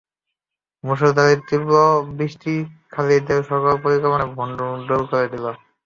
মুষলধারায় তীর-বৃষ্টি খালিদের সকল পরিকল্পনা ভণ্ডুল করে দেয়।